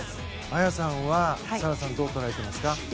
綾さんはサラさんをどう捉えていますか？